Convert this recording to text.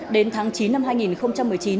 đến tháng chín năm hai nghìn một mươi chín